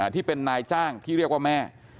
ที่เป็นนายจ้างที่เรียกว่าแม่